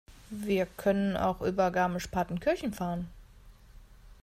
Wir können auch über Garmisch-Partenkirchen fahren.